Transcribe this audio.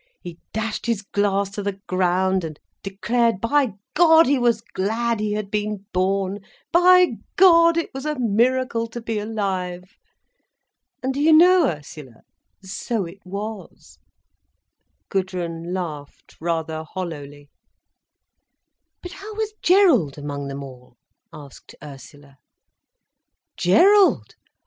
He dashed his glass to the ground, and declared, by God, he was glad he had been born, by God, it was a miracle to be alive. And do you know, Ursula, so it was—" Gudrun laughed rather hollowly. "But how was Gerald among them all?" asked Ursula. "Gerald!